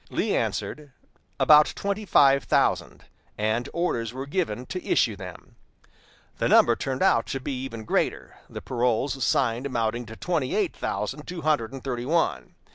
Lee answered, "About twenty five thousand"; and orders were given to issue them. The number turned out to be even greater, the paroles signed amounting to twenty eight thousand two hundred and thirty one.